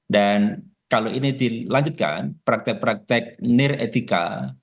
dan kalau ini dilanjutkan praktek praktek niretika